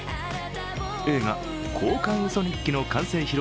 映画「交換ウソ日記」の完成披露